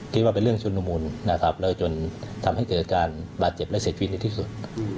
คิดว่าเป็นเรื่องชุนมุนนะครับแล้วจนทำให้เกิดการบาดเจ็บและเสียชีวิตในที่สุด